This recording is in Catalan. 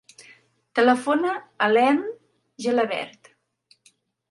Telefona a l'Elm Gelabert.